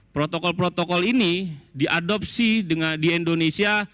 protokol protokol ini diadopsi di indonesia